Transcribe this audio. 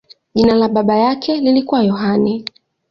Jina la baba yake lilikuwa Yohane.